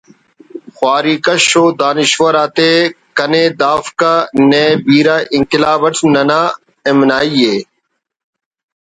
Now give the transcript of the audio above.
خواری کش و دانشور آتے کن ءِ دافک نئے بیرہ انقلاب اٹ ننا امنائی ءِ